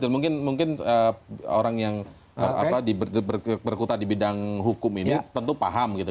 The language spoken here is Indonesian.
mungkin orang yang berkutat di bidang hukum ini tentu paham gitu